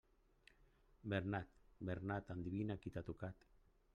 Bernat, Bernat endevina qui t'ha tocat.